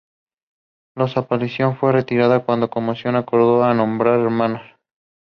He then moved to Naval Headquarters as the Deputy Director Naval Plans.